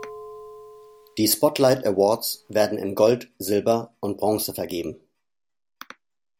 Die spotlight Awards werden in Gold, Silber und Bronze vergeben.